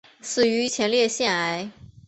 死于前列腺癌。